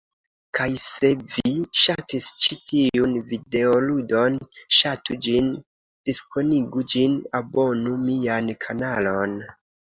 Kaj se vi ŝatis ĉi tiun videoludon, ŝatu ĝin, diskonigu ĝin, abonu mian kanalon.